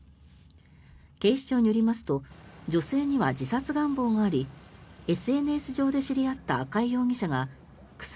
警視庁によりますと女性には自殺願望がありＳＮＳ上で知り合った赤井容疑者が薬